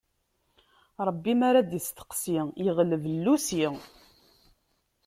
Ṛebbi mi ara d isteqsi, yeɣleb llusi.